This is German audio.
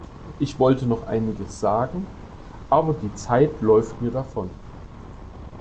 Ich wollte noch einiges sagen, aber die Zeit läuft mir davon.